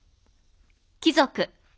貴族。